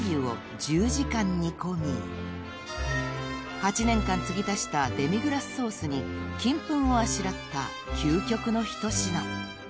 ［８年間つぎ足したデミグラスソースに金粉をあしらった究極の一品］